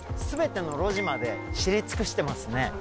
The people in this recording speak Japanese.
全ての路地まで知り尽くしてますね。